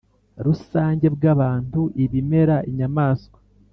Rusange bw abantu ibimera inyamaswa